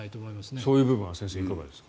そういう部分は先生どうですか。